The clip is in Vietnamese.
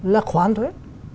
là khoán thuế